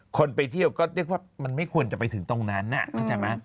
คนไปเที่ยวก็นึกว่ามันไม่ควรจะไปถึงตรงนั้นน่ะ